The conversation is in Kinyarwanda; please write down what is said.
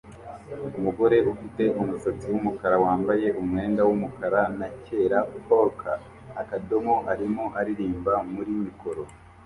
Umugore ufite umusatsi wumukara wambaye umwenda wumukara na cyera polka-akadomo arimo aririmba muri mikoro